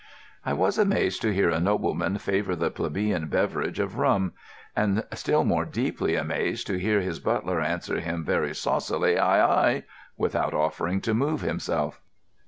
I was amazed to hear a nobleman favour the plebeian beverage of rum, and still more deeply amazed to hear his butler answer him very saucily, "Aye, aye," without offering to move himself.